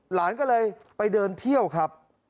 หลานก็เลยไปเดินเที่ยวครับ